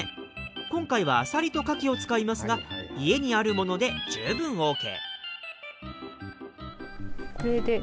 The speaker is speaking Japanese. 今回はアサリとカキを使いますが家にあるもので十分ＯＫ。